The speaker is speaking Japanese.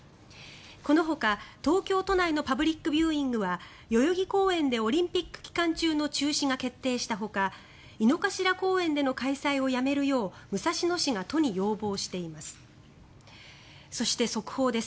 このほか、東京都内のパブリックビューイングは代々木公園でオリンピック期間中の中止が決定したほか井の頭公園での開催をやめるよう武蔵野市が都に要望しています。